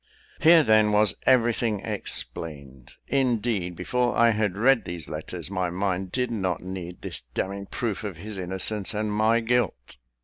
Here, then, was everything explained. Indeed, before I had read these letters, my mind did not need this damning proof of his innocence and my guilt.